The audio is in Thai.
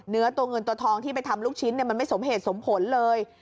เนื้อตัวเงินตัวทองที่ไปทำลูกชิ้นมันไม่สมเหตุสมผลเลย